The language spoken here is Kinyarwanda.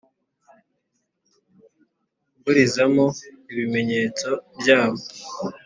Mburizamo ibimenyetso byabo